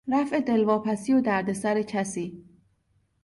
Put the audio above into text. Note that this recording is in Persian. رفع دلواپسی و دردسر کسی